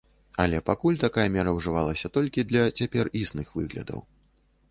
Але пакуль такая мера ўжывалася толькі для цяпер існых выглядаў.